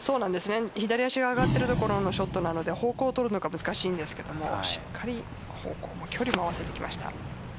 左足が上がってるところのショットなので方向を取るのが難しいんですけど、しっかり方向も距離も合わせてきました。